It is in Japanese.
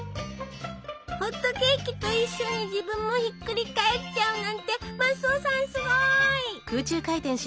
ホットケーキと一緒に自分もひっくり返っちゃうなんてマスオさんすごい！